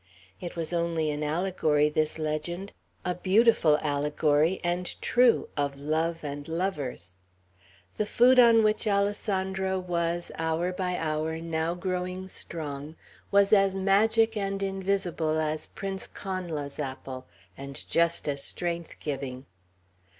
It was only an allegory, this legend, a beautiful allegory, and true, of love and lovers. The food on which Alessandro was, hour by hour, now growing strong, was as magic and invisible as Prince Connla's apple, and just as strength giving.